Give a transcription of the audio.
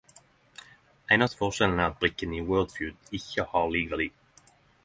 Einaste forskjellen er at brikkene i wordfeud ikkje har lik verdi.